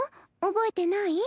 覚えてない？